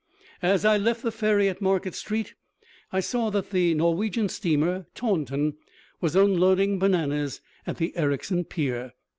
As I left the ferry at Market Street I saw that the Norwegian steamer Taunton was unloading bananas at the Ericsson pier.